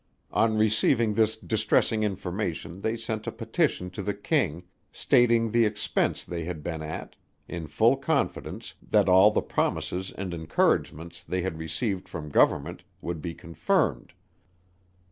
On receiving this distressing information they sent a petition to the King, stating the expence they had been at, in full confidence, that all the promises and encouragements, they had received from Government, would be confirmed.